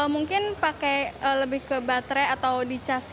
mungkin pakai lebih ke baterai atau di cas